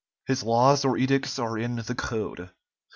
His laws or edicts are in the "Code."